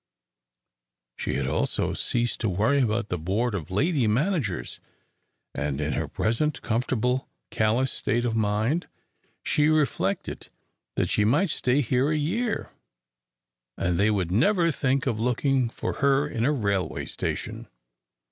She had also ceased to worry about the board of lady managers, and in her present comfortable, callous state of mind she reflected that she might stay here a year, and they would never think of looking for her in a railway station.